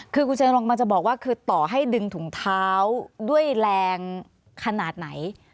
คือกูเชิงลงมาจะบอกว่าคือต่อให้ดึงถุงเท้าด้วยแรงขนาดไหน